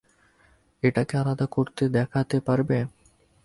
এটাকে আলাদা করতে দেখাতে পারবে?